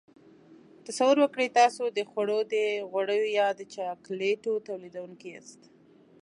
تصور وکړئ تاسو د خوړو د غوړیو یا د چاکلیټو تولیدوونکي یاست.